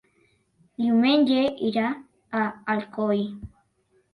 Diumenge irà a Alcoi.